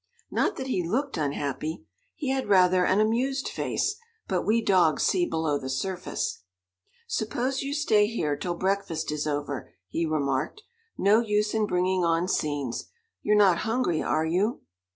Not that he looked unhappy. He had rather an amused face, but we dogs see below the surface. "Suppose you stay here till breakfast is over," he remarked. "No use in bringing on scenes. You're not hungry, are you?"